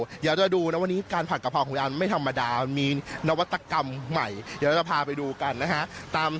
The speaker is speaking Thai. เดี๋ยวจะดูนะวันนี้การผัดกะเพราของอันไม่ธรรมดามันมีนวัตกรรมใหม่เดี๋ยวจะพาไปดูกันนะฮะ